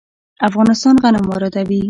افغانستان غنم واردوي.